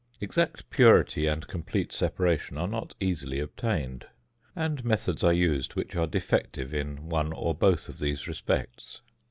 Exact purity and complete separation are not easily obtained; and methods are used which are defective in one or both of these respects.